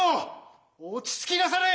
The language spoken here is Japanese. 落ち着きなされい。